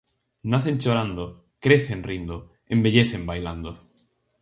Nacen chorando, crecen rindo, envellecen bailando.